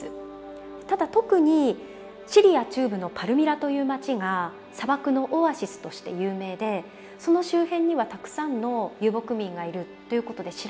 ただ特にシリア中部のパルミラという町が砂漠のオアシスとして有名でその周辺にはたくさんの遊牧民がいるということで知られてたんですよね。